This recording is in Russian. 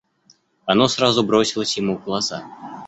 Оно сразу бросилось ему в глаза.